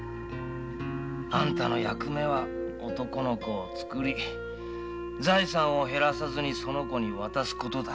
「あんたの役目は男の子をつくり財産を減らさず子に渡すことだ」